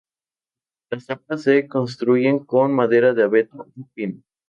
Las tapas se construyen con madera de abeto o pino.